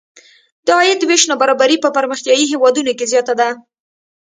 د عاید وېش نابرابري په پرمختیايي هېوادونو کې زیاته ده.